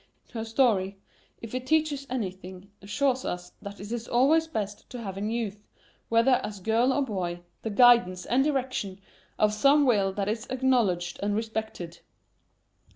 Her story, if it teaches any thing, assures us that it is always best to have in youth, whether as girl or boy, the guidance and direction of some will that is acknowledged and respected.